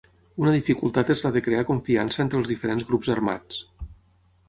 Una dificultat és la de crear confiança entre els diferents grups armats.